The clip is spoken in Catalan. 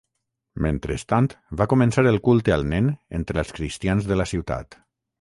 Mentrestant, va començar el culte al nen entre els cristians de la ciutat.